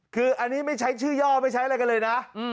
คืออันนี้ไม่ใช้ชื่อย่อไม่ใช้อะไรกันเลยนะ